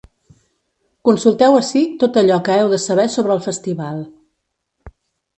Consulteu ací tot allò que heu de saber sobre el festival.